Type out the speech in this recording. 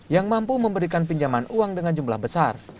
yang mampu memberikan pinjaman uang dengan jumlah besar